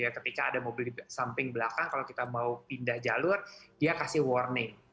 ketika ada mobil di samping belakang kalau kita mau pindah jalur dia kasih warning